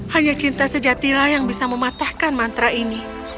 hanya cinta sejatilah yang bisa mematahkan mantra ini